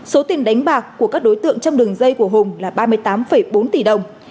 số tiền đánh bạc của các đối tượng trong đường dây của hùng là ba mươi tám bốn tỷ đồng